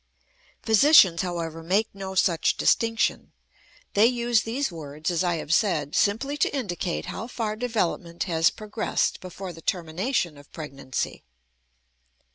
Physicians, however, make no such distinction. They use these words, as I have said, simply to indicate how far development has progressed before the termination of pregnancy.